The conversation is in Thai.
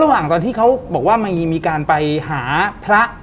ระหว่างตอนที่เขาบอกว่ามีการไปหาพระ